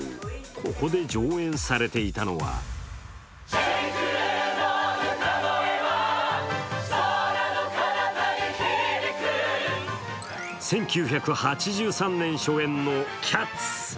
ここで上演されていたのは１９８３年初演の「キャッツ」。